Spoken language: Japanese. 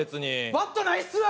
バットないっすわ！